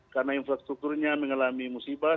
karena infrastrukturnya mengalami musibah